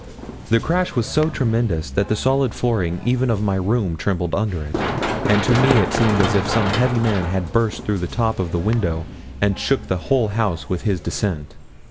The crash was so tremendous that the solid flooring even of my room trembled under it, and to me it seemed as if some heavy man had burst through the top of the window, and shook the whole house with his descent.